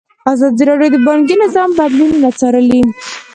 ازادي راډیو د بانکي نظام بدلونونه څارلي.